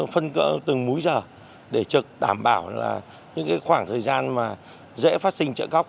phân cỡ từng múi giờ để trực đảm bảo là những khoảng thời gian mà dễ phát sinh trợ góc